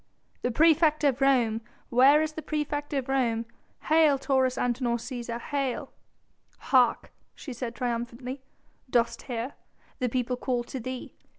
"The praefect of Rome! Where is the praefect of Rome? Hail Taurus Antinor Cæsar! Hail!" "Hark!" she said triumphantly, "dost hear? The people call to thee!